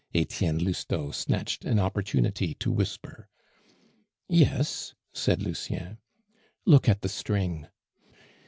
Etienne Lousteau snatched an opportunity to whisper. "Yes," said Lucien. "Look at the string."